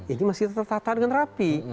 ini masih tertata dengan rapi